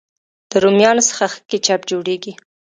د رومیانو څخه ښه کېچپ جوړېږي.